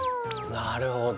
なるほど。